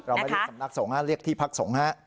เราไม่เรียกสำนักสงฆ์เรียกที่พักสงฆ์ฮะ